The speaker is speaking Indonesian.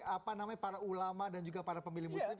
apa namanya para ulama dan juga para pemilih muslim